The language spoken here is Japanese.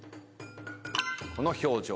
この表情。